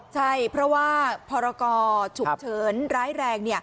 ใช่เพราะว่าพรกรฉุกเฉินร้ายแรง